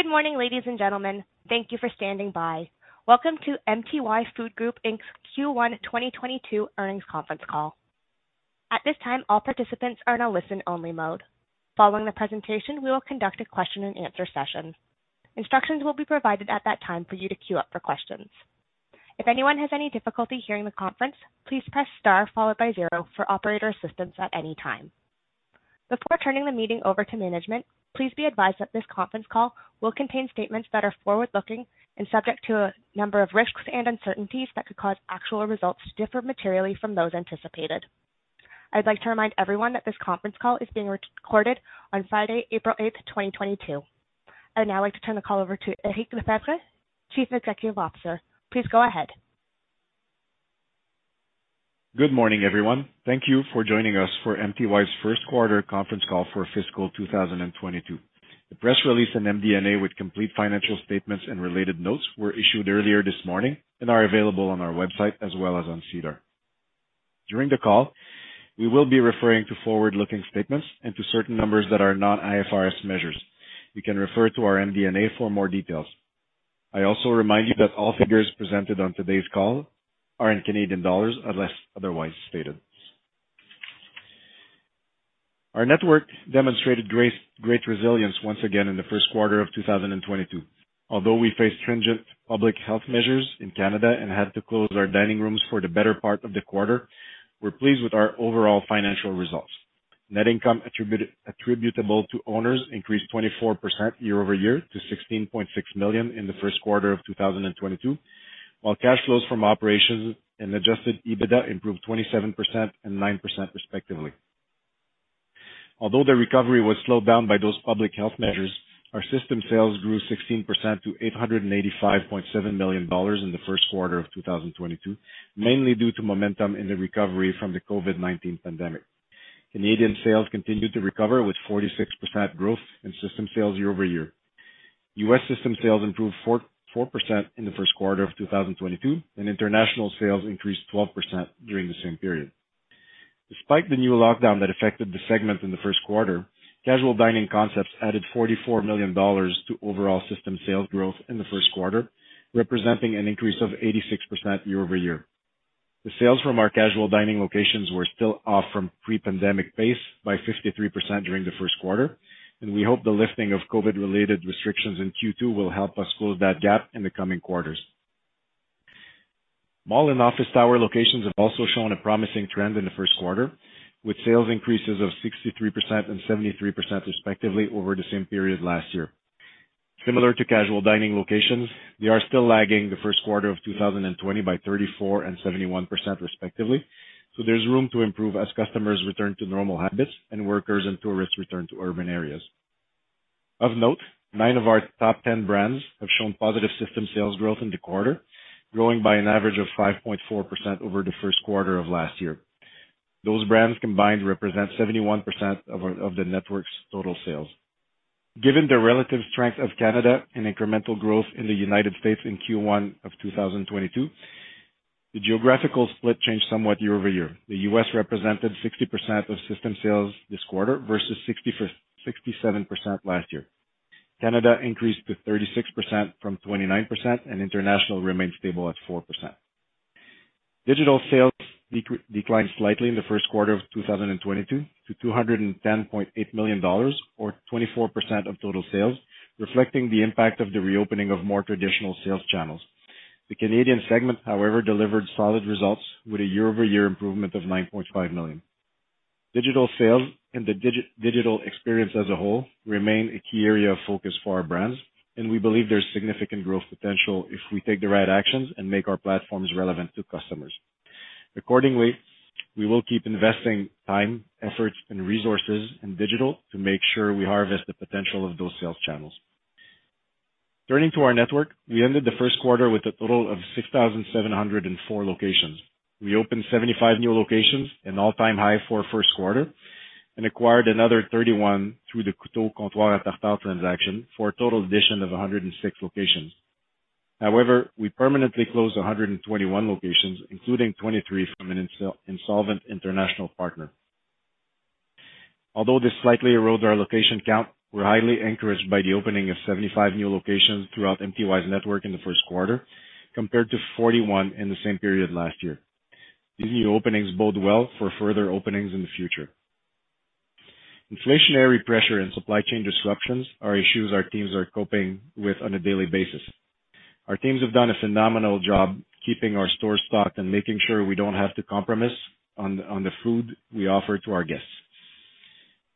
Good morning, ladies and gentlemen. Thank you for standing by. Welcome to MTY Food Group Inc.'s Q1 2022 earnings conference call. At this time, all participants are in a listen-only mode. Following the presentation, we will conduct a question-and-answer session. Instructions will be provided at that time for you to queue up for questions. If anyone has any difficulty hearing the conference, please press star followed by zero for operator assistance at any time. Before turning the meeting over to management, please be advised that this conference call will contain statements that are forward-looking and subject to a number of risks and uncertainties that could cause actual results to differ materially from those anticipated. I'd like to remind everyone that this conference call is being recorded on Friday, April 8, 2022. I'd now like to turn the call over to Eric Lefebvre, Chief Executive Officer. Please go ahead. Good morning, everyone. Thank you for joining us for MTY's first quarter conference call for fiscal 2022. The press release in MD&A with complete financial statements and related notes were issued earlier this morning and are available on our website as well as on SEDAR. During the call, we will be referring to forward-looking statements and to certain numbers that are not IFRS measures. You can refer to our MD&A for more details. I also remind you that all figures presented on today's call are in Canadian dollars unless otherwise stated. Our network demonstrated great resilience once again in the first quarter of 2022. Although we faced stringent public health measures in Canada and had to close our dining rooms for the better part of the quarter, we're pleased with our overall financial results. Net income attributable to owners increased 24% year-over-year to 16.6 million in the first quarter of 2022, while cash flows from operations and adjusted EBITDA improved 27% and 9% respectively. Although the recovery was slowed down by those public health measures, our system sales grew 16% to 885.7 million dollars in the first quarter of 2022, mainly due to momentum in the recovery from the COVID-19 pandemic. Canadian sales continued to recover with 46% growth in system sales year-over-year. U.S. system sales improved 4% in the first quarter of 2022, and international sales increased 12% during the same period. Despite the new lockdown that affected the segment in the first quarter, casual dining concepts added 44 million dollars to overall system sales growth in the first quarter, representing an increase of 86% year-over-year. The sales from our casual dining locations were still off from pre-pandemic pace by 53% during the first quarter, and we hope the lifting of COVID-related restrictions in Q2 will help us close that gap in the coming quarters. Mall and office tower locations have also shown a promising trend in the first quarter, with sales increases of 63% and 73% respectively over the same period last year. Similar to casual dining locations, they are still lagging the first quarter of 2020 by 34% and 71% respectively, so there's room to improve as customers return to normal habits and workers and tourists return to urban areas. Of note, 9 of our top 10 brands have shown positive system sales growth in the quarter, growing by an average of 5.4% over the first quarter of last year. Those brands combined represent 71% of the network's total sales. Given the relative strength of Canada and incremental growth in the United States in Q1 of 2022, the geographical split changed somewhat year-over-year. The U.S. represented 60% of system sales this quarter versus 67% last year. Canada increased to 36% from 29%, and international remained stable at 4%. Digital sales declined slightly in the first quarter of 2022 to 210.8 million dollars or 24% of total sales, reflecting the impact of the reopening of more traditional sales channels. The Canadian segment, however, delivered solid results with a year-over-year improvement of 9.5 million. Digital sales and the digital experience as a whole remain a key area of focus for our brands, and we believe there's significant growth potential if we take the right actions and make our platforms relevant to customers. Accordingly, we will keep investing time, efforts, and resources in digital to make sure we harvest the potential of those sales channels. Turning to our network, we ended the first quarter with a total of 6,704 locations. We opened 75 new locations, an all-time high for a first quarter, and acquired another 31 through the Küto Comptoir à Tartares transaction for a total addition of 106 locations. However, we permanently closed 121 locations, including 23 from an insolvent international partner. Although this slightly erodes our location count, we're highly encouraged by the opening of 75 new locations throughout MTY's network in the first quarter, compared to 41 in the same period last year. These new openings bode well for further openings in the future. Inflationary pressure and supply chain disruptions are issues our teams are coping with on a daily basis. Our teams have done a phenomenal job keeping our stores stocked and making sure we don't have to compromise on the food we offer to our guests.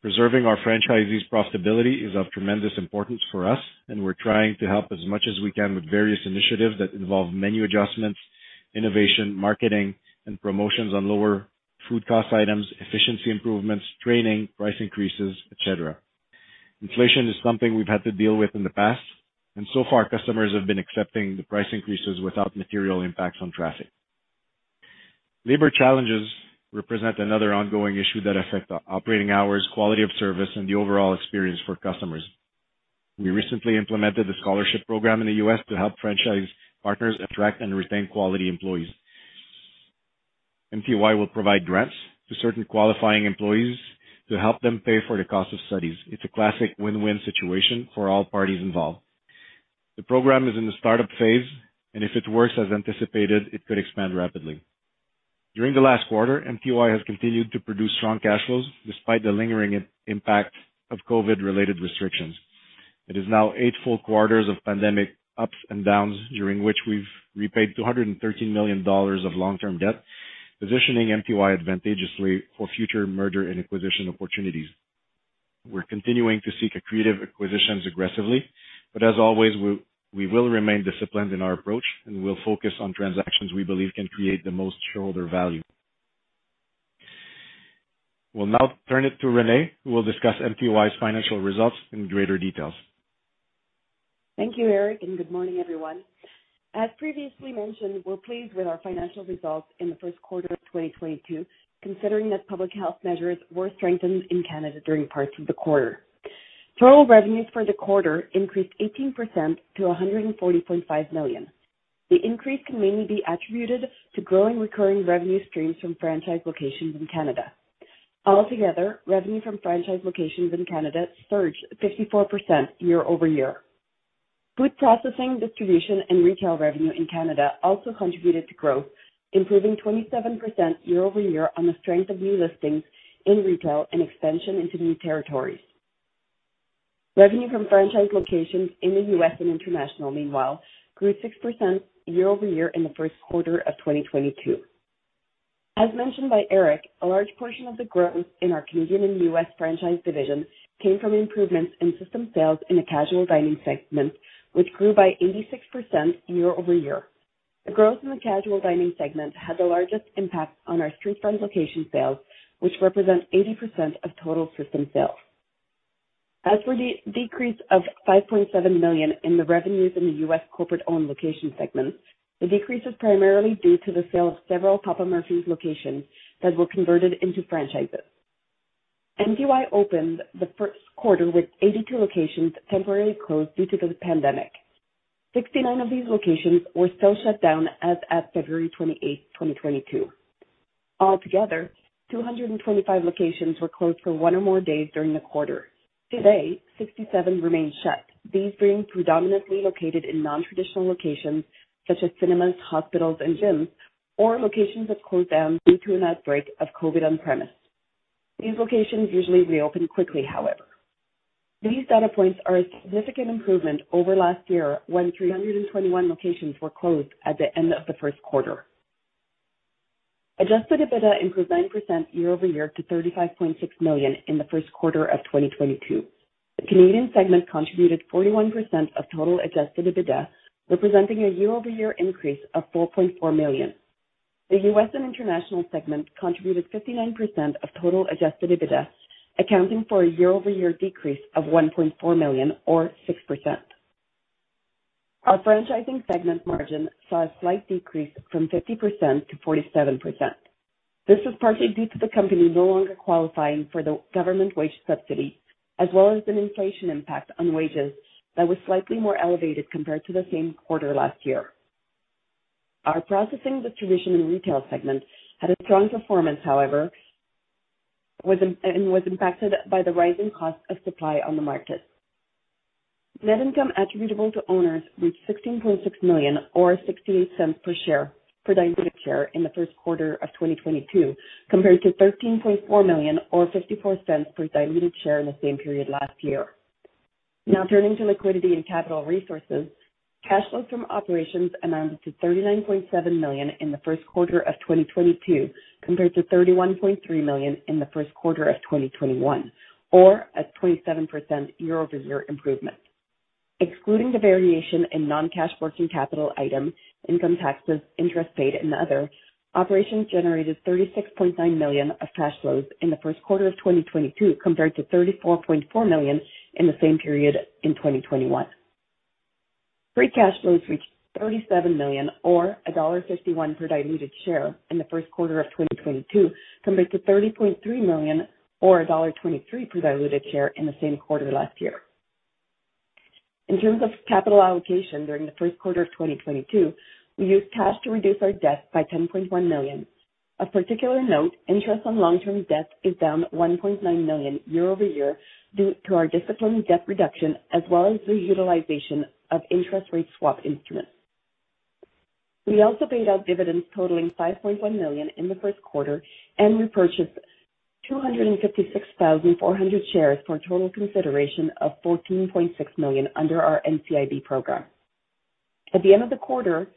Preserving our franchisees' profitability is of tremendous importance for us, and we're trying to help as much as we can with various initiatives that involve menu adjustments, innovation, marketing, and promotions on lower food cost items, efficiency improvements, training, price increases, et cetera. Inflation is something we've had to deal with in the past, and so far customers have been accepting the price increases without material impacts on traffic. Labor challenges represent another ongoing issue that affect operating hours, quality of service, and the overall experience for customers. We recently implemented a scholarship program in the U.S. to help franchise partners attract and retain quality employees. MTY will provide grants to certain qualifying employees to help them pay for the cost of studies. It's a classic win-win situation for all parties involved. The program is in the startup phase, and if it works as anticipated, it could expand rapidly. During the last quarter, MTY has continued to produce strong cash flows despite the lingering impact of COVID-related restrictions. It is now eight full quarters of pandemic ups and downs, during which we've repaid 213 million dollars of long-term debt, positioning MTY advantageously for future merger and acquisition opportunities. We're continuing to seek accretive acquisitions aggressively, but as always, we will remain disciplined in our approach, and we'll focus on transactions we believe can create the most shareholder value. We'll now turn it to Renee, who will discuss MTY's financial results in greater details. Thank you, Eric, and good morning, everyone. As previously mentioned, we're pleased with our financial results in the first quarter of 2022, considering that public health measures were strengthened in Canada during parts of the quarter. Total revenues for the quarter increased 18% to 140.5 million. The increase can mainly be attributed to growing recurring revenue streams from franchise locations in Canada. Altogether, revenue from franchise locations in Canada surged 54% year-over-year. Food processing, distribution, and retail revenue in Canada also contributed to growth, improving 27% year-over-year on the strength of new listings in retail and expansion into new territories. Revenue from franchise locations in the U.S. and international, meanwhile, grew 6% year-over-year in the first quarter of 2022. As mentioned by Eric, a large portion of the growth in our Canadian and U.S. franchise division came from improvements in system sales in the casual dining segment, which grew by 86% year-over-year. The growth in the casual dining segment had the largest impact on our street front location sales, which represent 80% of total system sales. As for the decrease of 5.7 million in the revenues in the U.S. corporate-owned location segment, the decrease is primarily due to the sale of several Papa Murphy's locations that were converted into franchises. MTY opened the first quarter with 82 locations temporarily closed due to the pandemic. Sixty-nine of these locations were still shut down as of February 28, 2022. Altogether, 225 locations were closed for one or more days during the quarter. Today, 67 remain shut, these being predominantly located in non-traditional locations such as cinemas, hospitals, and gyms or locations that closed down due to an outbreak of COVID on premise. These locations usually reopen quickly, however. These data points are a significant improvement over last year, when 321 locations were closed at the end of the first quarter. Adjusted EBITDA improved 9% year-over-year to 35.6 million in the first quarter of 2022. The Canadian segment contributed 41% of total adjusted EBITDA, representing a year-over-year increase of 4.4 million. The U.S. and international segment contributed 59% of total adjusted EBITDA, accounting for a year-over-year decrease of 1.4 million or 6%. Our franchising segment margin saw a slight decrease from 50% to 47%. This was partly due to the company no longer qualifying for the government wage subsidy, as well as an inflation impact on wages that was slightly more elevated compared to the same quarter last year. Our processing, distribution, and retail segment had a strong performance, however, and was impacted by the rising cost of supply on the market. Net income attributable to owners reached 16.6 million or 0.68 per diluted share in the first quarter of 2022, compared to 13.4 million or 0.54 per diluted share in the same period last year. Now turning to liquidity and capital resources. Cash flows from operations amounted to 39.7 million in the first quarter of 2022, compared to 31.3 million in the first quarter of 2021 or a 27% year-over-year improvement. Excluding the variation in non-cash working capital item, income taxes, interest paid, and other, operations generated 36.9 million of cash flows in the first quarter of 2022, compared to 34.4 million in the same period in 2021. Free cash flows reached 37 million or dollar 1.51 per diluted share in the first quarter of 2022, compared to 30.3 million or dollar 1.23 per diluted share in the same quarter last year. In terms of capital allocation during the first quarter of 2022, we used cash to reduce our debt by 10.1 million. Of particular note, interest on long-term debt is down 1.9 million year-over-year due to our disciplined debt reduction as well as the utilization of interest rate swap instruments. We also paid out dividends totaling 5.1 million in the first quarter and repurchased 256,400 shares for a total consideration of 14.6 million under our NCIB program. At the end of the quarter,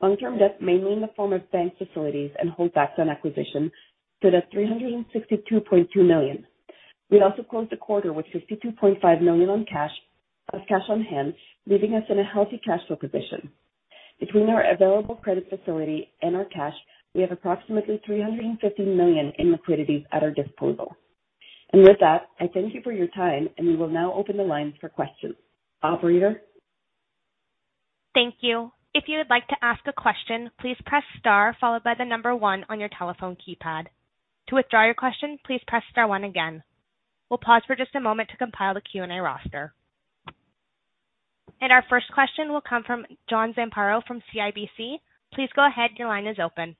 long-term debt, mainly in the form of bank facilities and holdbacks on acquisition, stood at 362.2 million. We also closed the quarter with 52.5 million in cash on hand, leaving us in a healthy cash flow position. Between our available credit facility and our cash, we have approximately 350 million in liquidity at our disposal. With that, I thank you for your time, and we will now open the lines for questions. Operator? Thank you. If you would like to ask a question, please press star followed by the number one on your telephone keypad. To withdraw your question, please press star one again. We'll pause for just a moment to compile a Q&A roster. Our first question will come from John Zamparo from CIBC. Please go ahead. Your line is open.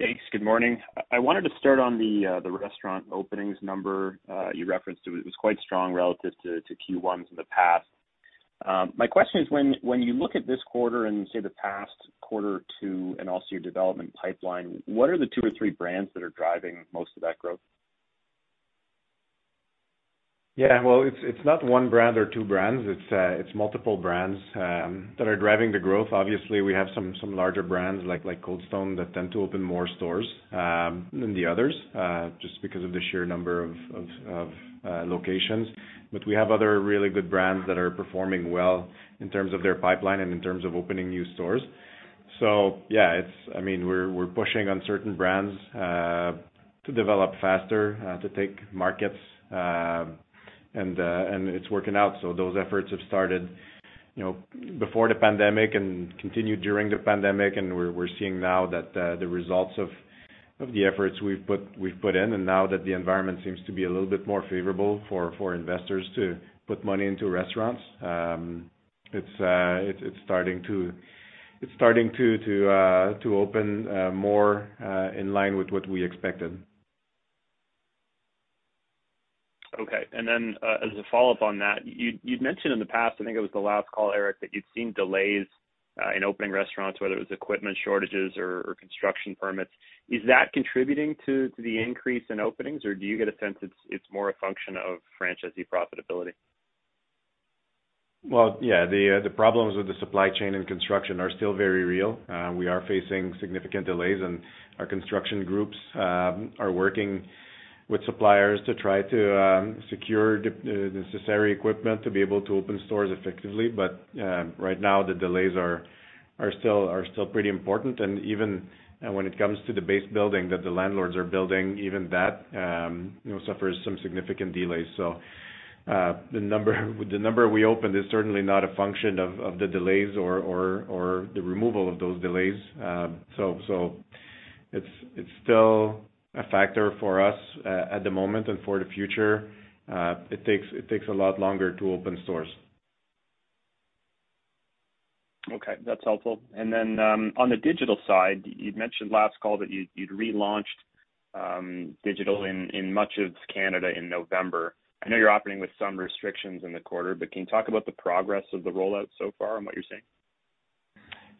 Thanks. Good morning. I wanted to start on the restaurant openings number you referenced. It was quite strong relative to Q1s in the past. My question is when you look at this quarter and, say, the past quarter too, and also your development pipeline, what are the two or three brands that are driving most of that growth? Yeah. Well, it's not one brand or two brands. It's multiple brands that are driving the growth. Obviously, we have some larger brands like Cold Stone that tend to open more stores than the others just because of the sheer number of locations. We have other really good brands that are performing well in terms of their pipeline and in terms of opening new stores. Yeah, it's. I mean, we're pushing on certain brands to develop faster to take markets and it's working out. Those efforts have started, you know, before the pandemic and continued during the pandemic, and we're seeing now the results of the efforts we've put in. Now that the environment seems to be a little bit more favorable for investors to put money into restaurants, it's starting to open more in line with what we expected. Okay. As a follow-up on that, you'd mentioned in the past, I think it was the last call, Eric, that you'd seen delays in opening restaurants, whether it was equipment shortages or construction permits. Is that contributing to the increase in openings, or do you get a sense it's more a function of franchisee profitability? Well, yeah, the problems with the supply chain and construction are still very real. We are facing significant delays, and our construction groups are working with suppliers to try to secure the necessary equipment to be able to open stores effectively. Right now, the delays are still pretty important. Even when it comes to the base building that the landlords are building, even that you know suffers some significant delays. The number we opened is certainly not a function of the delays or the removal of those delays. It's still a factor for us at the moment and for the future. It takes a lot longer to open stores. Okay, that's helpful. On the digital side, you'd mentioned last call that you'd relaunched digital in much of Canada in November. I know you're operating with some restrictions in the quarter, but can you talk about the progress of the rollout so far and what you're seeing?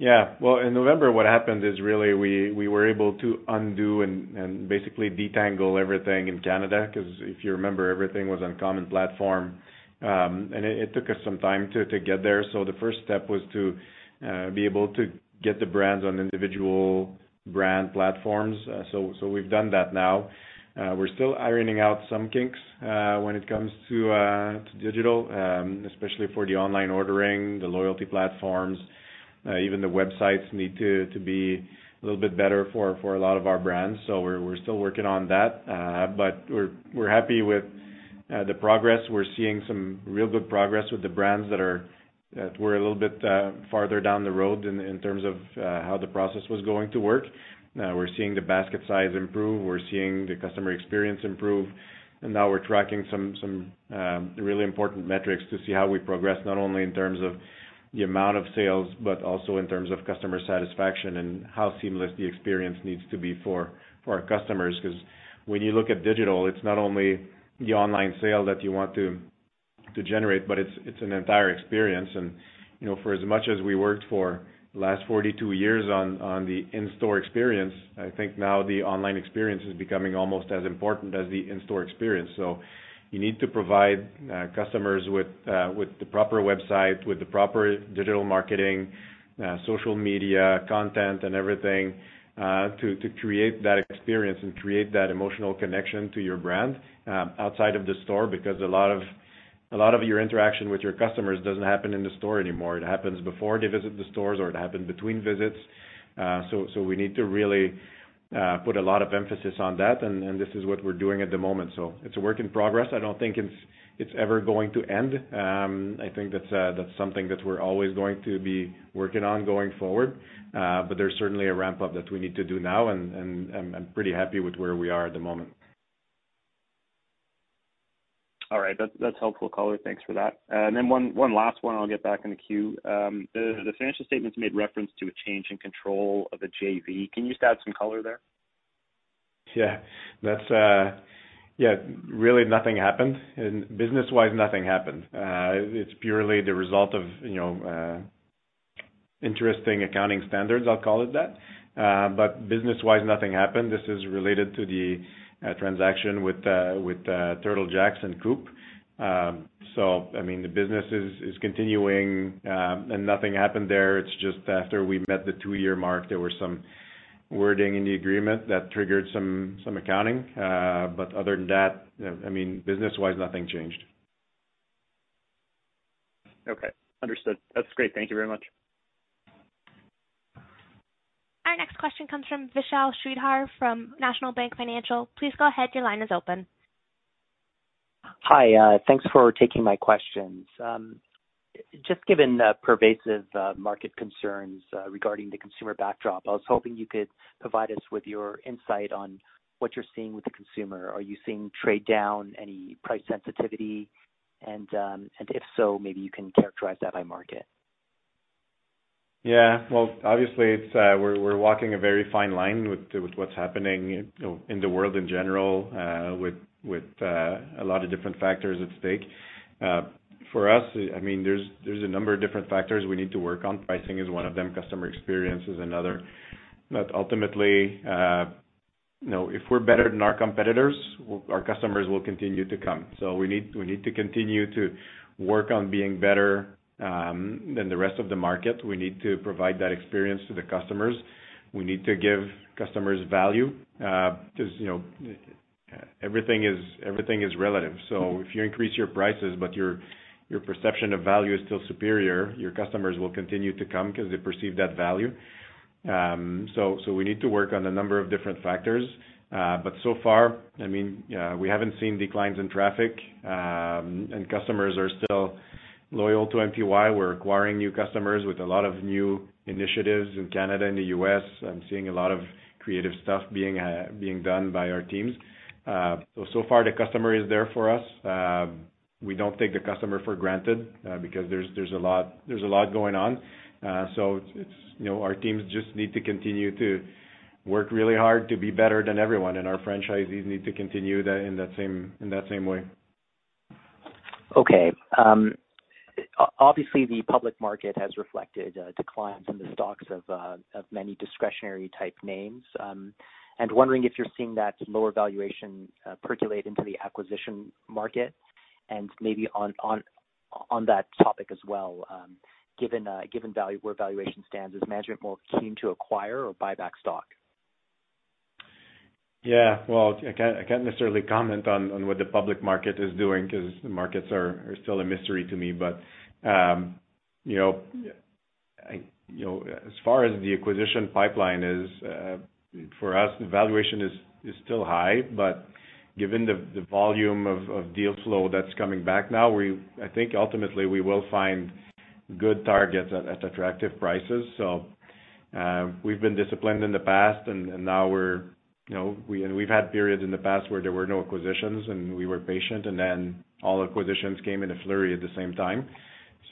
Well, in November, what happened is really we were able to undo and basically detangle everything in Canada 'cause if you remember, everything was on common platform. It took us some time to get there. The first step was to be able to get the brands on individual brand platforms. We've done that now. We're still ironing out some kinks when it comes to digital, especially for the online ordering, the loyalty platforms, even the websites need to be a little bit better for a lot of our brands. We're still working on that, but we're happy with the progress. We're seeing some real good progress with the brands that were a little bit farther down the road in terms of how the process was going to work. We're seeing the basket size improve. We're seeing the customer experience improve. Now we're tracking some really important metrics to see how we progress, not only in terms of the amount of sales, but also in terms of customer satisfaction and how seamless the experience needs to be for our customers. 'Cause when you look at digital, it's not only the online sale that you want to generate, but it's an entire experience. You know, for as much as we worked for the last 42 years on the in-store experience, I think now the online experience is becoming almost as important as the in-store experience. You need to provide customers with the proper website, with the proper digital marketing, social media content and everything, to create that experience and create that emotional connection to your brand, outside of the store, because a lot of your interaction with your customers doesn't happen in the store anymore. It happens before they visit the stores, or it happened between visits. We need to really put a lot of emphasis on that and this is what we're doing at the moment. It's a work in progress. I don't think it's ever going to end. I think that's something that we're always going to be working on going forward. There's certainly a ramp-up that we need to do now, and I'm pretty happy with where we are at the moment. All right. That's helpful color. Thanks for that. Then one last one, and I'll get back in the queue. The financial statements made reference to a change in control of a JV. Can you just add some color there? Yeah. That's yeah, really nothing happened. Business-wise, nothing happened. It's purely the result of, you know, interesting accounting standards, I'll call it that. Business-wise, nothing happened. This is related to the transaction with Turtle Jack's and Küto. I mean, the business is continuing, and nothing happened there. It's just after we met the two-year mark, there were some wording in the agreement that triggered some accounting. Other than that, I mean, business-wise, nothing changed. Okay. Understood. That's great. Thank you very much. Our next question comes from Vishal Shreedhar from National Bank Financial. Please go ahead. Your line is open. Hi. Thanks for taking my questions. Just given the pervasive market concerns regarding the consumer backdrop, I was hoping you could provide us with your insight on what you're seeing with the consumer. Are you seeing trade-down, any price sensitivity? If so, maybe you can characterize that by market. Yeah. Well, obviously we're walking a very fine line with what's happening in, you know, in the world in general, with a lot of different factors at stake. For us, I mean, there's a number of different factors we need to work on. Pricing is one of them, customer experience is another. Ultimately, you know, if we're better than our competitors, our customers will continue to come. We need to continue to work on being better than the rest of the market. We need to provide that experience to the customers. We need to give customers value because, you know, everything is relative. If you increase your prices but your perception of value is still superior, your customers will continue to come because they perceive that value. We need to work on a number of different factors. So far, I mean, we haven't seen declines in traffic, and customers are still loyal to MTY. We're acquiring new customers with a lot of new initiatives in Canada and the U.S. I'm seeing a lot of creative stuff being done by our teams. So far the customer is there for us. We don't take the customer for granted, because there's a lot going on. It's, you know, our teams just need to continue to work really hard to be better than everyone, and our franchisees need to continue that in that same way. Okay. Obviously the public market has reflected declines in the stocks of many discretionary type names. Wondering if you're seeing that lower valuation percolate into the acquisition market and maybe on that topic as well, given where valuation stands, is management more keen to acquire or buy back stock? Yeah. Well, I can't necessarily comment on what the public market is doing because the markets are still a mystery to me. You know, you know, as far as the acquisition pipeline is for us, the valuation is still high. Given the volume of deal flow that's coming back now, I think ultimately we will find good targets at attractive prices. We've been disciplined in the past and now we're you know and we've had periods in the past where there were no acquisitions and we were patient, and then all acquisitions came in a flurry at the same time.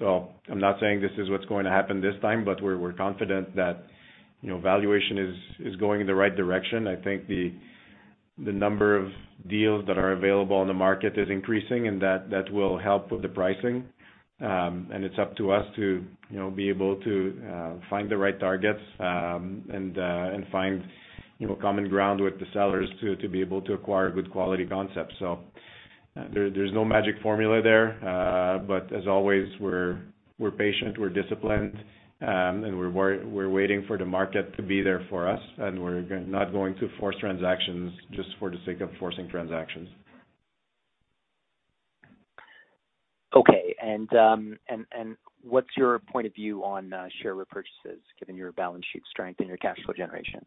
I'm not saying this is what's going to happen this time, but we're confident that you know valuation is going in the right direction. I think the number of deals that are available in the market is increasing and that will help with the pricing. It's up to us to you know be able to find the right targets and find you know common ground with the sellers to be able to acquire good quality concepts. There's no magic formula there. As always, we're patient, we're disciplined, and we're waiting for the market to be there for us, and we're not going to force transactions just for the sake of forcing transactions. Okay. What's your point of view on share repurchases given your balance sheet strength and your cash flow generation?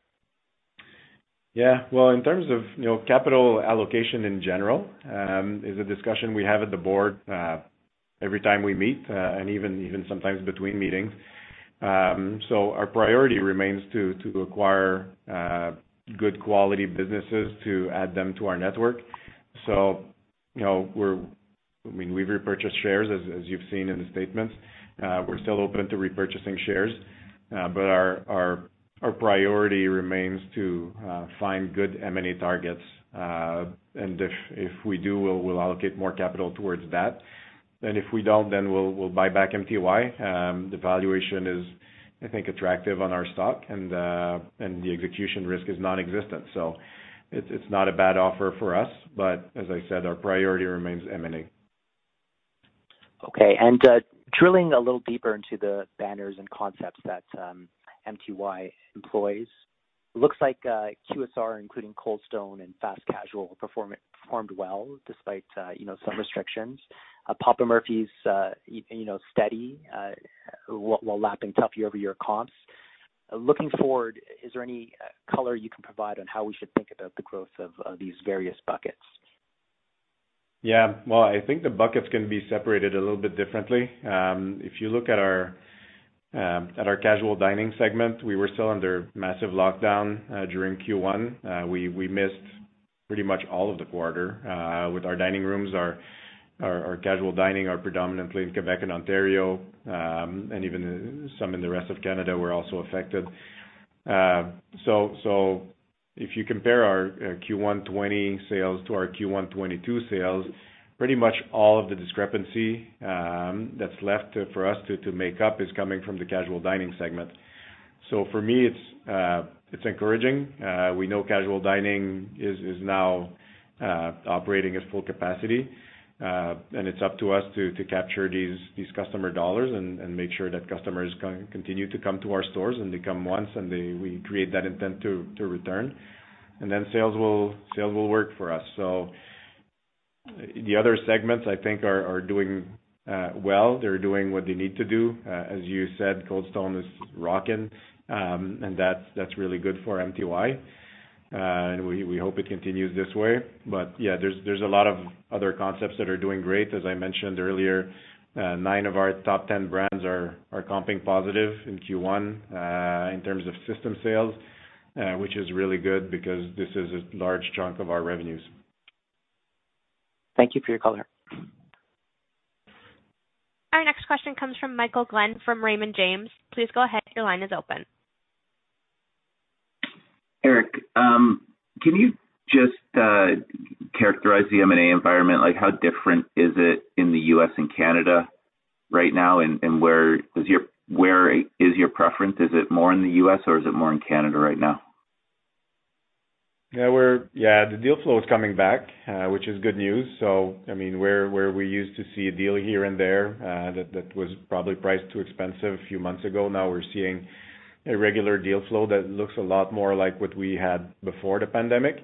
Yeah. Well, in terms of, you know, capital allocation in general, is a discussion we have at the board every time we meet, and even sometimes between meetings. Our priority remains to acquire good quality businesses to add them to our network. You know, I mean, we've repurchased shares as you've seen in the statements. We're still open to repurchasing shares. Our priority remains to find good M&A targets. If we do, we'll allocate more capital towards that. If we don't, then we'll buy back MTY. The valuation is, I think, attractive on our stock and the execution risk is non-existent. It's not a bad offer for us, but as I said, our priority remains M&A. Okay. Drilling a little deeper into the banners and concepts that MTY employs. Looks like QSR, including Cold Stone and Fast Casual performed well despite you know, some restrictions. Papa Murphy's you know, steady while lapping tough year-over-year comps. Looking forward, is there any color you can provide on how we should think about the growth of these various buckets? Yeah. Well, I think the buckets can be separated a little bit differently. If you look at our casual dining segment, we were still under massive lockdown during Q1. We missed pretty much all of the quarter with our dining rooms. Our casual dining are predominantly in Quebec and Ontario, and even some in the rest of Canada were also affected. So if you compare our Q1 2020 sales to our Q1 2022 sales, pretty much all of the discrepancy that's left for us to make up is coming from the casual dining segment. For me, it's encouraging. We know casual dining is now operating at full capacity. It's up to us to capture these customer dollars and make sure that customers continue to come to our stores and they come once and we create that intent to return. Then sales will work for us. The other segments I think are doing well. They're doing what they need to do. As you said, Cold Stone is rocking, and that's really good for MTY. We hope it continues this way. Yeah, there's a lot of other concepts that are doing great. As I mentioned earlier, 9 of our top 10 brands are comping positive in Q1, in terms of system sales, which is really good because this is a large chunk of our revenues. Thank you for your color. Our next question comes from Michael Glen from Raymond James. Please go ahead. Your line is open. Eric, can you just characterize the M&A environment? Like how different is it in the U.S. and Canada right now, and where is your preference? Is it more in the U.S. or is it more in Canada right now? Yeah, the deal flow is coming back, which is good news. I mean, where we used to see a deal here and there, that was probably priced too expensive a few months ago, now we're seeing a regular deal flow that looks a lot more like what we had before the pandemic.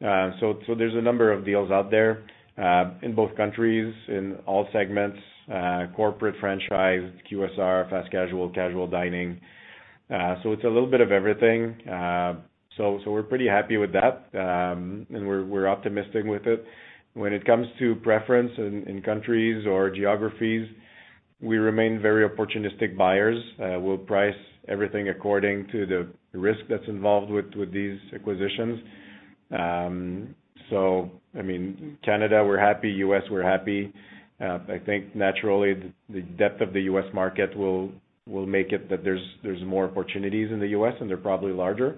There's a number of deals out there, in both countries in all segments, corporate, franchise, QSR, fast casual dining. It's a little bit of everything. We're pretty happy with that, and we're optimistic with it. When it comes to preference in countries or geographies, we remain very opportunistic buyers. We'll price everything according to the risk that's involved with these acquisitions. I mean, Canada, we're happy, U.S., we're happy. I think naturally the depth of the U.S. market will make it that there's more opportunities in the U.S. and they're probably larger.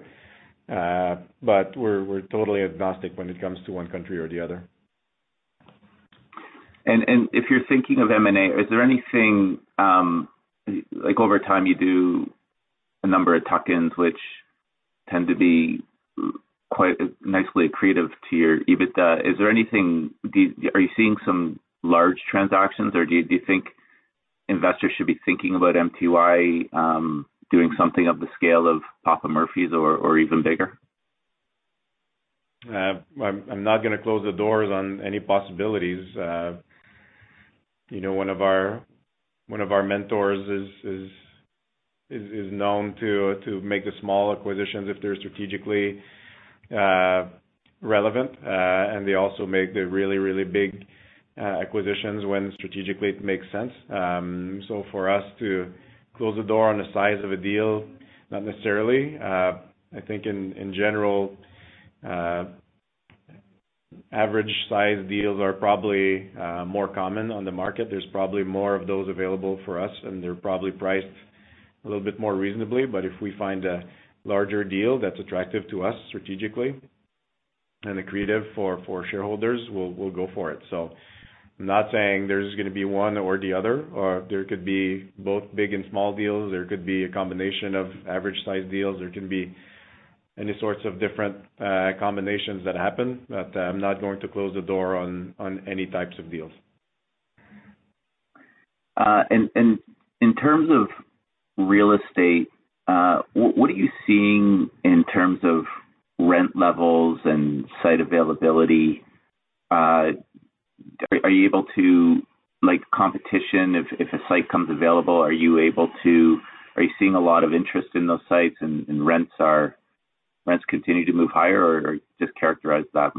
But we're totally agnostic when it comes to one country or the other. If you're thinking of M&A, is there anything like over time you do a number of tuck-ins, which tend to be quite nicely accretive to your EBITDA. Are you seeing some large transactions, or do you think investors should be thinking about MTY doing something of the scale of Papa Murphy's or even bigger? I'm not gonna close the doors on any possibilities. You know, one of our mentors is known to make the small acquisitions if they're strategically relevant, and they also make the really big acquisitions when strategically it makes sense. For us to close the door on the size of a deal, not necessarily. I think in general average size deals are probably more common on the market. There's probably more of those available for us, and they're probably priced a little bit more reasonably. If we find a larger deal that's attractive to us strategically and accretive for shareholders, we'll go for it. I'm not saying there's gonna be one or the other, or there could be both big and small deals. There could be a combination of average sized deals. There can be any sorts of different, combinations that happen. I'm not going to close the door on any types of deals. In terms of real estate, what are you seeing in terms of rent levels and site availability? Like competition, if a site comes available, are you seeing a lot of interest in those sites and rents continue to move higher or just characterize that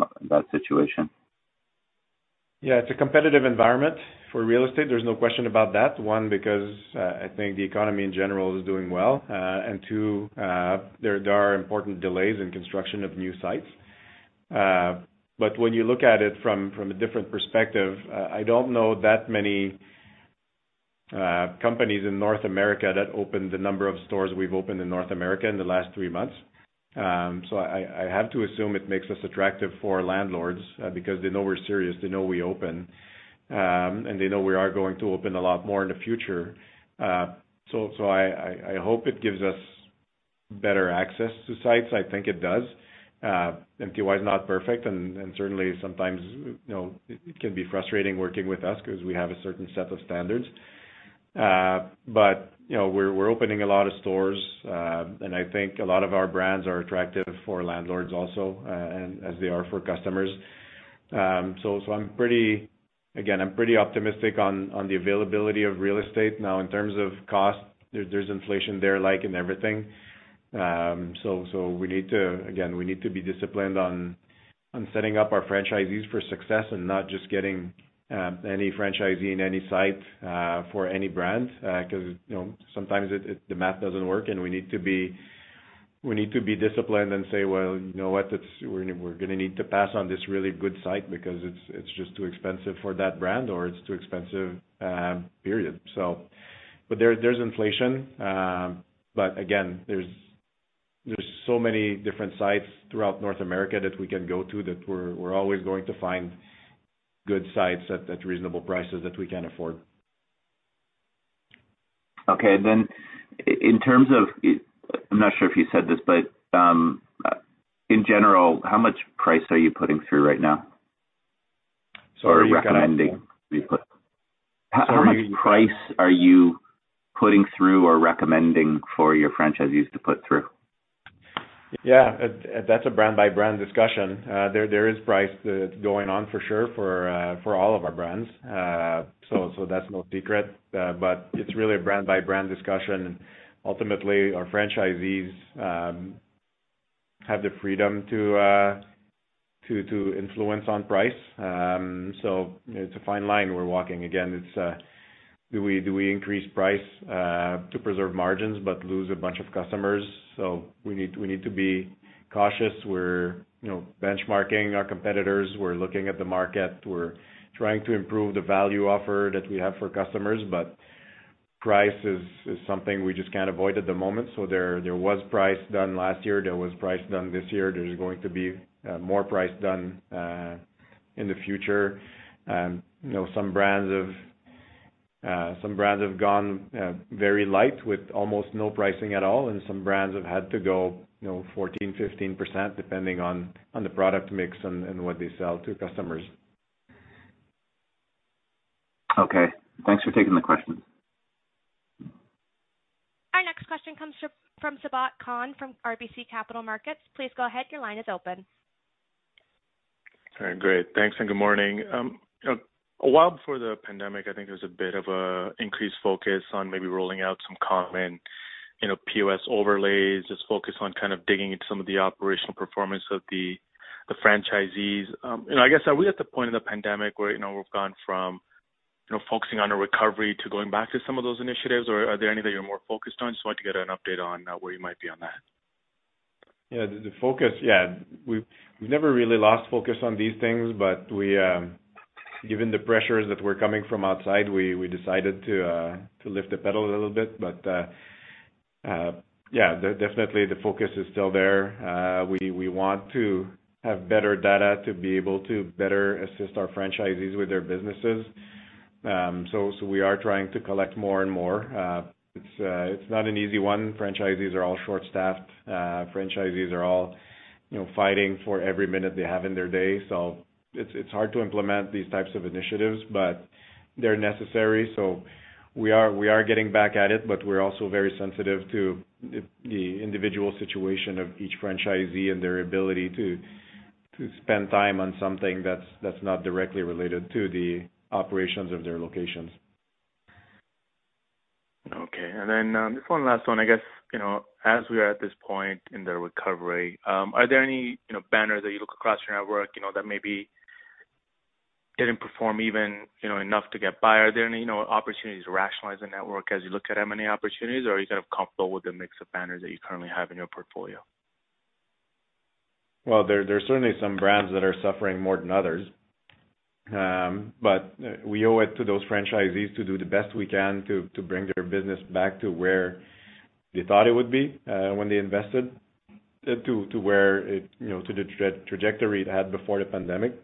situation. Yeah, it's a competitive environment for real estate. There's no question about that, one, because I think the economy in general is doing well. Two, there are important delays in construction of new sites. When you look at it from a different perspective, I don't know that many companies in North America that opened the number of stores we've opened in North America in the last three months. I have to assume it makes us attractive for landlords, because they know we're serious, they know we open, and they know we are going to open a lot more in the future. I hope it gives us better access to sites, I think it does. MTY is not perfect and certainly sometimes, you know, it can be frustrating working with us 'cause we have a certain set of standards. You know, we're opening a lot of stores, and I think a lot of our brands are attractive for landlords also, and as they are for customers. I'm pretty optimistic on the availability of real estate. Now, in terms of cost, there's inflation there, like in everything. We need to be disciplined on setting up our franchisees for success and not just getting any franchisee in any site for any brands, 'cause, you know, sometimes the math doesn't work, and we need to be disciplined and say, "Well, you know what? We're gonna need to pass on this really good site because it's just too expensive for that brand or it's too expensive, period. There's inflation. But again, there's so many different sites throughout North America that we can go to that we're always going to find good sites at reasonable prices that we can afford. Okay. In terms of, I'm not sure if you said this, but in general, how much pricing are you putting through right now? Sorry, you cut. Or recommending you put- Sorry. How much price are you putting through or recommending for your franchisees to put through? Yeah. That's a brand by brand discussion. There is price that's going on for sure for all of our brands. That's no secret. It's really a brand by brand discussion. Ultimately, our franchisees have the freedom to influence on price. It's a fine line we're walking. Again, it's do we increase price to preserve margins but lose a bunch of customers? We need to be cautious. We're, you know, benchmarking our competitors. We're looking at the market. We're trying to improve the value offer that we have for customers. Price is something we just can't avoid at the moment. There was price done last year. There was price done this year. There's going to be more price done in the future. You know, some brands have gone very light with almost no pricing at all, and some brands have had to go, you know, 14%-15% depending on the product mix and what they sell to customers. Okay. Thanks for taking the question. Our next question comes from Sabahat Khan from RBC Capital Markets. Please go ahead. Your line is open. All right. Great. Thanks and good morning. A while before the pandemic, I think there was a bit of an increased focus on maybe rolling out some common, you know, POS overlays. Just focus on kind of digging into some of the operational performance of the franchisees. You know, I guess, are we at the point of the pandemic where, you know, we've gone from, you know, focusing on a recovery to going back to some of those initiatives, or are there any that you're more focused on? Just want to get an update on where you might be on that. Yeah, the focus yeah, we've never really lost focus on these things, but given the pressures that were coming from outside, we decided to lift the pedal a little bit. Yeah, definitely the focus is still there. We want to have better data to be able to better assist our franchisees with their businesses. We are trying to collect more and more. It's not an easy one. Franchisees are all short-staffed. Franchisees are all you know, fighting for every minute they have in their day. It's hard to implement these types of initiatives, but they're necessary. We are getting back at it, but we're also very sensitive to the individual situation of each franchisee and their ability to spend time on something that's not directly related to the operations of their locations. Okay. This one last one, I guess, you know, as we are at this point in the recovery, are there any, you know, banners that you look across your network, you know, that maybe didn't perform even, you know, enough to get by? Are there any, you know, opportunities to rationalize the network as you look at M&A opportunities, or are you kind of comfortable with the mix of banners that you currently have in your portfolio? Well, there's certainly some brands that are suffering more than others. We owe it to those franchisees to do the best we can to bring their business back to where they thought it would be when they invested to where it, you know, to the trajectory it had before the pandemic.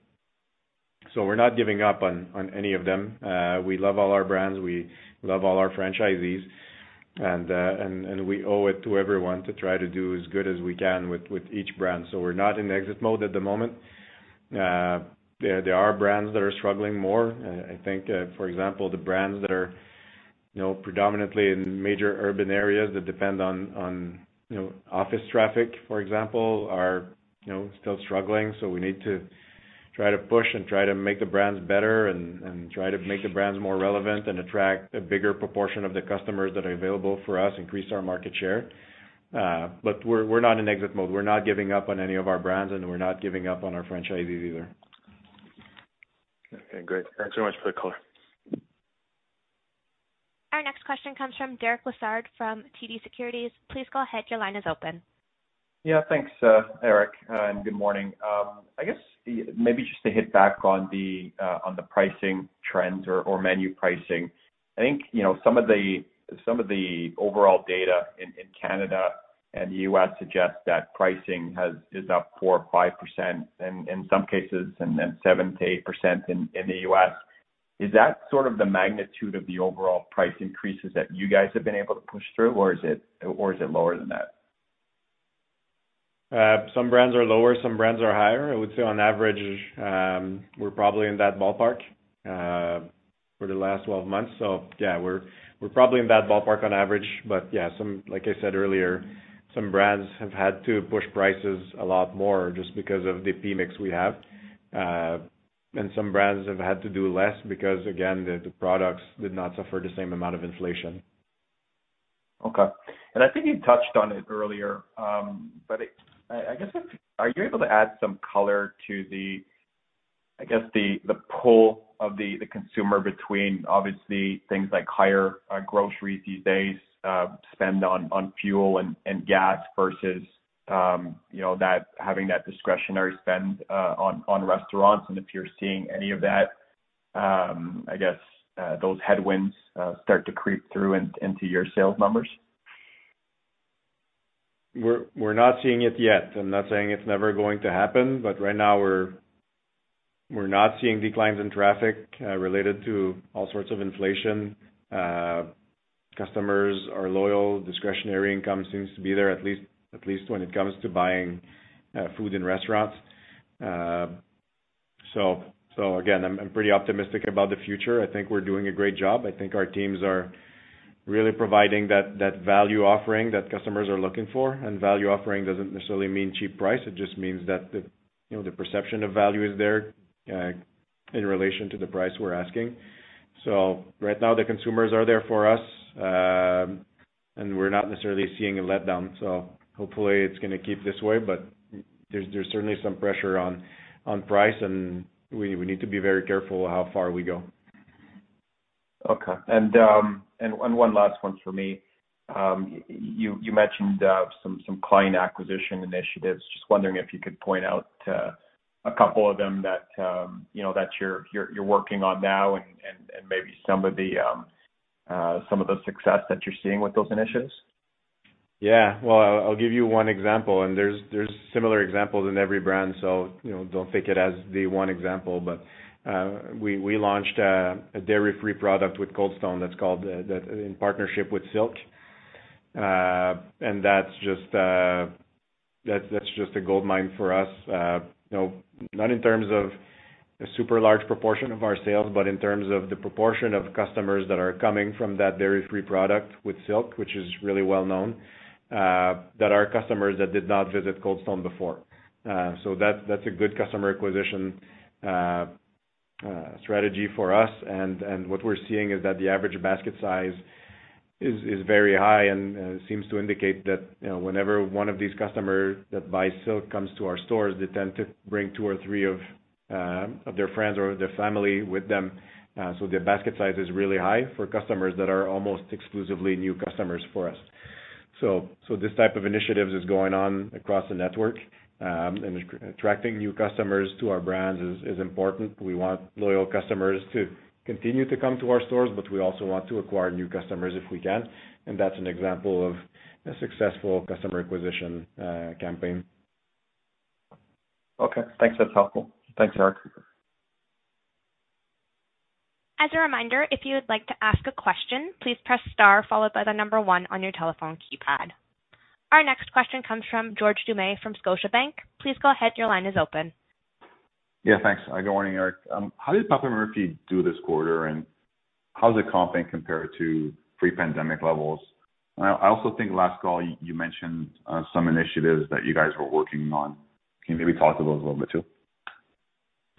We're not giving up on any of them. We love all our brands. We love all our franchisees, and we owe it to everyone to try to do as good as we can with each brand. We're not in exit mode at the moment. There are brands that are struggling more. I think, for example, the brands that are, you know, predominantly in major urban areas that depend on, you know, office traffic, for example, are, you know, still struggling. We need to try to push and try to make the brands better and try to make the brands more relevant and attract a bigger proportion of the customers that are available for us, increase our market share. We're not in exit mode. We're not giving up on any of our brands, and we're not giving up on our franchisees either. Okay, great. Thanks so much for the call. Our next question comes from Derek Lessard from TD Securities. Please go ahead. Your line is open. Yeah, thanks, Eric, and good morning. I guess maybe just to hit back on the pricing trends or menu pricing. I think, you know, some of the overall data in Canada and the U.S. suggests that pricing is up 4 5-5% in some cases, and then 7%-8% in the U.S. Is that sort of the magnitude of the overall price increases that you guys have been able to push through, or is it lower than that? Some brands are lower, some brands are higher. I would say on average, we're probably in that ballpark for the last 12 months. Yeah, we're probably in that ballpark on average. Yeah, some, like I said earlier, some brands have had to push prices a lot more just because of the product mix we have. Some brands have had to do less because, again, the products did not suffer the same amount of inflation. I think you touched on it earlier. I guess, are you able to add some color to the, I guess, the pull of the consumer between obviously things like higher groceries these days, spend on fuel and gas versus, you know, having that discretionary spend on restaurants and if you're seeing any of that, I guess, those headwinds start to creep through into your sales numbers? We're not seeing it yet. I'm not saying it's never going to happen, but right now we're not seeing declines in traffic related to all sorts of inflation. Customers are loyal. Discretionary income seems to be there, at least when it comes to buying food in restaurants. Again, I'm pretty optimistic about the future. I think we're doing a great job. I think our teams are really providing that value offering that customers are looking for. Value offering doesn't necessarily mean cheap price. It just means that the you know the perception of value is there in relation to the price we're asking. Right now, the consumers are there for us, and we're not necessarily seeing a letdown. Hopefully it's gonna keep this way, but there's certainly some pressure on price, and we need to be very careful how far we go. Okay. One last one for me. You mentioned some client acquisition initiatives. Just wondering if you could point out a couple of them that you know that you're working on now and maybe some of the success that you're seeing with those initiatives. Yeah. Well, I'll give you one example, and there's similar examples in every brand, so you know, don't take it as the one example. We launched a dairy-free product with Cold Stone that's in partnership with Silk. That's just a goldmine for us. You know, not in terms of a super large proportion of our sales, but in terms of the proportion of customers that are coming from that dairy-free product with Silk, which is really well known, that are customers that did not visit Cold Stone before. That's a good customer acquisition strategy for us. What we're seeing is that the average basket size is very high and seems to indicate that, you know, whenever one of these customers that buys Silk comes to our stores, they tend to bring two or three of their friends or their family with them. Their basket size is really high for customers that are almost exclusively new customers for us. This type of initiatives is going on across the network, and attracting new customers to our brands is important. We want loyal customers to continue to come to our stores, but we also want to acquire new customers if we can. That's an example of a successful customer acquisition campaign. Okay. Thanks. That's helpful. Thanks, Eric. As a reminder, if you would like to ask a question, please press star followed by the number one on your telephone keypad. Our next question comes from George Doumet from Scotiabank. Please go ahead, your line is open. Yeah, thanks. Good morning, Eric. How did Papa Murphy's do this quarter, and how does it compare to pre-pandemic levels? I also think last call you mentioned some initiatives that you guys were working on. Can you maybe talk to those a little bit too?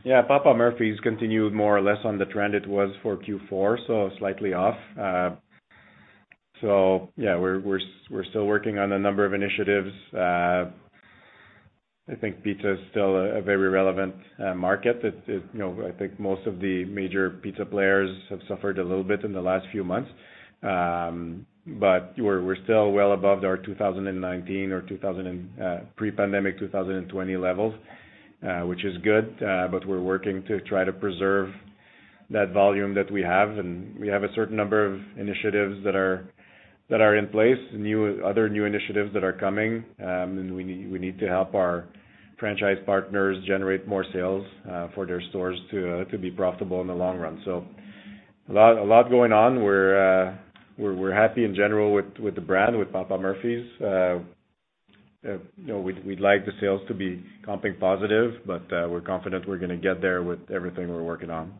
Yeah. Papa Murphy's continued more or less on the trend it was for Q4, slightly off. Yeah, we're still working on a number of initiatives. I think pizza is still a very relevant market. It you know, I think most of the major pizza players have suffered a little bit in the last few months. But we're still well above our 2019 or 2020 pre-pandemic levels, which is good. But we're working to try to preserve that volume that we have. We have a certain number of initiatives that are in place, new. other new initiatives that are coming, and we need to help our franchise partners generate more sales for their stores to be profitable in the long run. So a lot going on. We're happy in general with the brand, with Papa Murphy's. You know, we'd like the sales to be comping positive, but we're confident we're gonna get there with everything we're working on.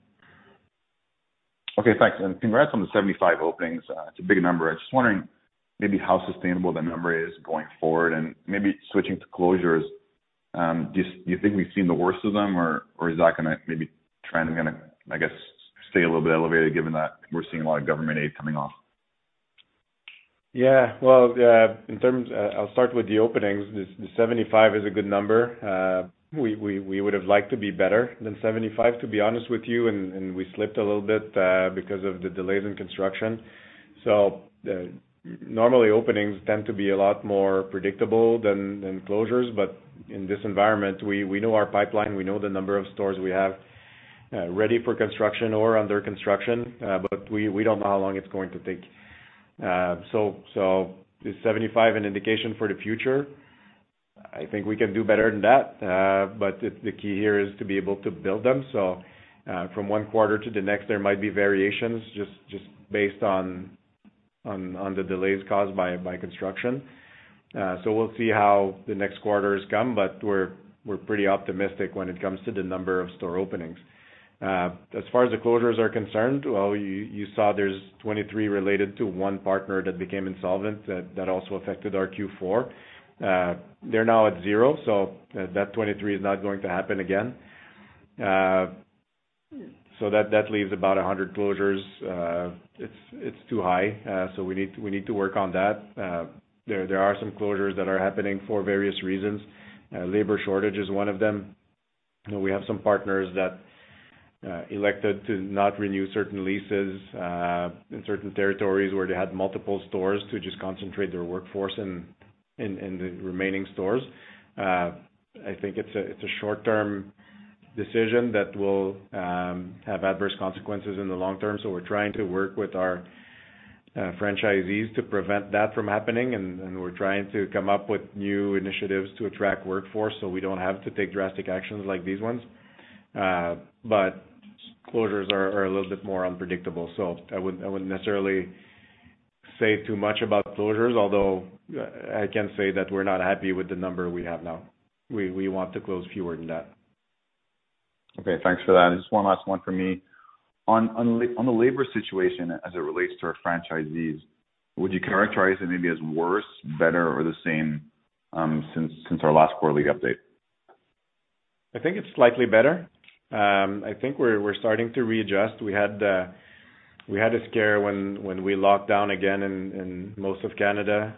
Okay, thanks. Congrats on the 75 openings. It's a big number. I'm just wondering maybe how sustainable that number is going forward. Maybe switching to closures, do you think we've seen the worst of them or is that gonna, I guess, stay a little bit elevated given that we're seeing a lot of government aid coming off? Well in terms, I'll start with the openings. The 75 is a good number. We would have liked to be better than 75, to be honest with you, and we slipped a little bit because of the delays in construction. Normally openings tend to be a lot more predictable than closures. But in this environment, we know our pipeline, we know the number of stores we have ready for construction or under construction, but we don't know how long it's going to take. Is 75 an indication for the future? I think we can do better than that. But the key here is to be able to build them. From one quarter to the next, there might be variations just based on the delays caused by construction. We'll see how the next quarters come, but we're pretty optimistic when it comes to the number of store openings. As far as the closures are concerned, well, you saw there's 23 related to one partner that became insolvent. That also affected our Q4. They're now at zero, so that 23 is not going to happen again. That leaves about 100 closures. It's too high, so we need to work on that. There are some closures that are happening for various reasons. Labor shortage is one of them. You know, we have some partners that elected to not renew certain leases in certain territories where they had multiple stores to just concentrate their workforce in the remaining stores. I think it's a short-term decision that will have adverse consequences in the long term, so we're trying to work with our franchisees to prevent that from happening. We're trying to come up with new initiatives to attract workforce, so we don't have to take drastic actions like these ones. Closures are a little bit more unpredictable. I wouldn't necessarily say too much about closures, although I can say that we're not happy with the number we have now. We want to close fewer than that. Okay, thanks for that. Just one last one from me. On the labor situation as it relates to our franchisees, would you characterize it maybe as worse, better, or the same, since our last quarterly update? I think it's slightly better. I think we're starting to readjust. We had a scare when we locked down again in most of Canada,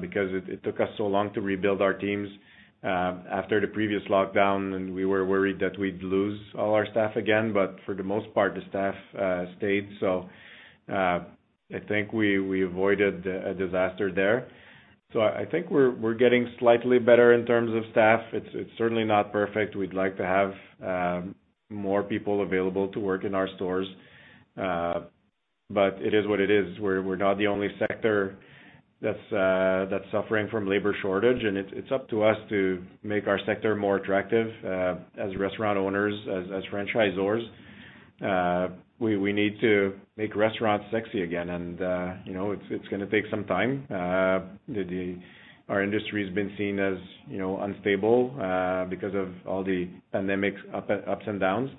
because it took us so long to rebuild our teams after the previous lockdown, and we were worried that we'd lose all our staff again. For the most part, the staff stayed. I think we avoided a disaster there. I think we're getting slightly better in terms of staff. It's certainly not perfect. We'd like to have more people available to work in our stores. It is what it is. We're not the only sector that's suffering from labor shortage, and it's up to us to make our sector more attractive as restaurant owners, as franchisors. We need to make restaurants sexy again and, you know, it's gonna take some time. Our industry's been seen as, you know, unstable, because of all the pandemic's ups and downs.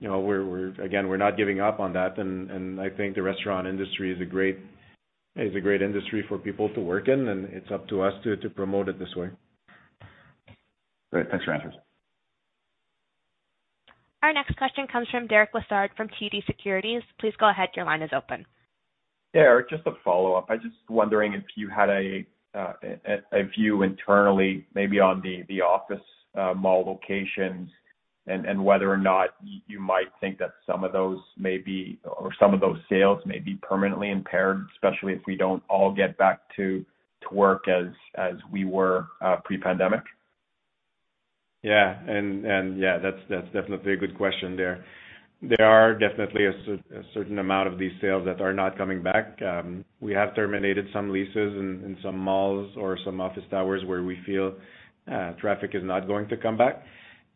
You know, we're not giving up on that and I think the restaurant industry is a great industry for people to work in, and it's up to us to promote it this way. Great. Thanks for your answers. Our next question comes from Derek Lessard from TD Securities. Please go ahead, your line is open. Yeah, just a follow-up. I just wondering if you had a view internally maybe on the office mall locations and whether or not you might think that some of those may be, or some of those sales may be permanently impaired, especially if we don't all get back to work as we were pre-pandemic? Yeah, that's definitely a good question there. There are definitely a certain amount of these sales that are not coming back. We have terminated some leases in some malls or some office towers where we feel traffic is not going to come back.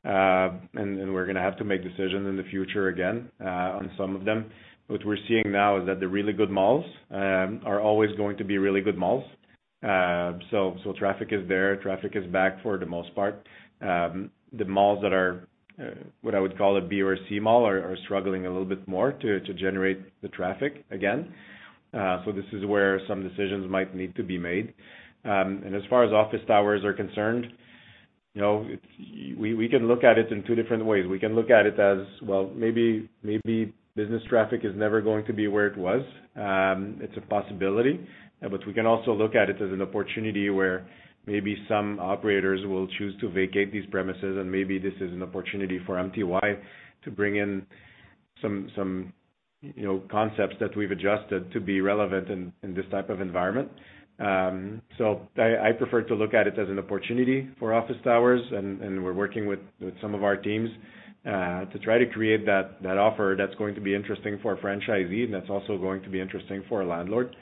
We're gonna have to make decisions in the future again on some of them. What we're seeing now is that the really good malls are always going to be really good malls. Traffic is there. Traffic is back for the most part. The malls that are what I would call a B or a C mall are struggling a little bit more to generate the traffic again. This is where some decisions might need to be made. As far as office towers are concerned, you know, it's. We can look at it in two different ways. We can look at it as, well, maybe business traffic is never going to be where it was. It's a possibility. We can also look at it as an opportunity where maybe some operators will choose to vacate these premises and maybe this is an opportunity for MTY to bring in some, you know, concepts that we've adjusted to be relevant in this type of environment. I prefer to look at it as an opportunity for office towers and we're working with some of our teams to try to create that offer that's going to be interesting for a franchisee and that's also going to be interesting for a landlord.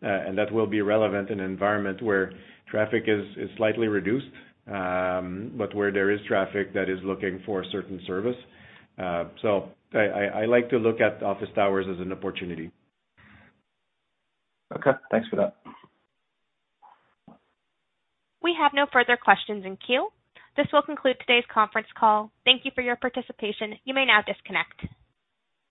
That will be relevant in an environment where traffic is slightly reduced, but where there is traffic that is looking for a certain service. I like to look at office towers as an opportunity. Okay. Thanks for that. We have no further questions in queue. This will conclude today's conference call. Thank you for your participation. You may now disconnect.